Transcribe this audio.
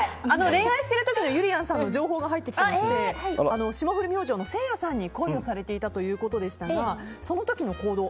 恋愛してる時のゆりやんさんの情報が入ってきてまして霜降り明星のせいやさんに恋をされていたということですがその時の行動